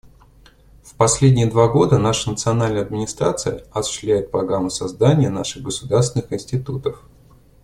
В последние два года наша национальная администрация осуществляет программу создания наших государственных институтов.